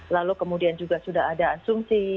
lalu kemudian juga sudah ada asumsi